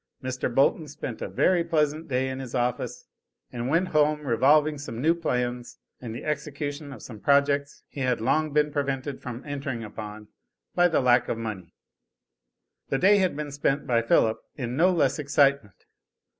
Mr. Bolton spent a very pleasant day in his office, and went home revolving some new plans, and the execution of some projects he had long been prevented from entering upon by the lack of money. The day had been spent by Philip in no less excitement.